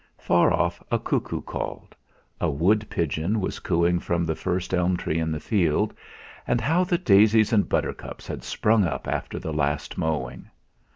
Far off a cuckoo called; a wood pigeon was cooing from the first elm tree in the field, and how the daisies and buttercups had sprung up after the last mowing!